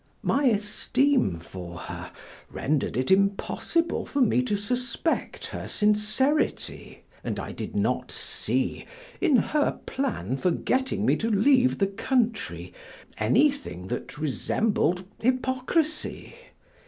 My esteem for her rendered it impossible for me to suspect her sincerity, and I did not see, in her plan for getting me to leave the country, anything that resembled hypocrisy.